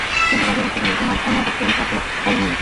কিন্তু বাজি ধরতে পারি তোমার কোন দাপ্তরিক তলোয়ার নেই।